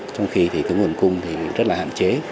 trong khi thì cái nguồn cung thì rất là hạn chế